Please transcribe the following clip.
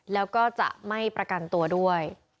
แล้วก็จะไม่ประกันตัวด้วย